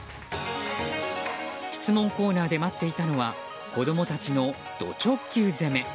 質問コーナーで待っていたのは子供たちの、ど直球攻め。